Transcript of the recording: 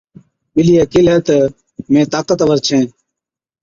ٻلِيئَي ڪيهلَي تہ، مين طاقتوَر ڇَين،